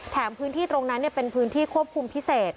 พื้นที่ตรงนั้นเป็นพื้นที่ควบคุมพิเศษ